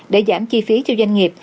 để giảm chi phí cho doanh nghiệp